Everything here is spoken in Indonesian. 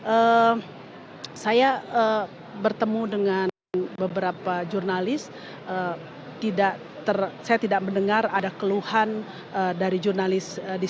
eh saya bertemu dengan beberapa jurnalis tidak tercetak mendengar ada keluhan dari jurnalis di